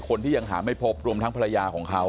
คนที่ยังหาไม่พบรวมทั้งภรรยาของเขา